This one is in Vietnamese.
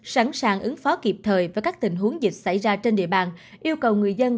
sẵn sàng ứng phó kịp thời với các tình huống dịch xảy ra trên địa bàn yêu cầu người dân